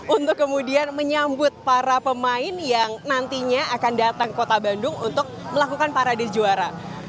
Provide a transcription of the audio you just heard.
untuk kemudian menyambut para pemain yang nantinya akan datang ke kota bandung untuk melakukan parade juara